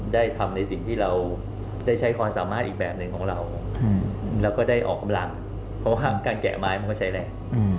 ได้ทำในสิ่งที่เราได้ใช้ความสามารถอีกแบบหนึ่งของเราแล้วก็ได้ออกกำลังเพราะว่าการแกะไม้มันก็ใช้แรง